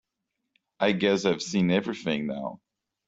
I guess I've seen everything now.